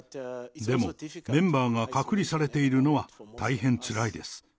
でも、メンバーが隔離されているのは、大変つらいです。